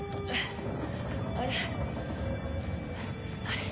あれ？